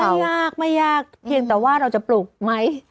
ยากไม่ยากเพียงแต่ว่าเราจะปลูกไหม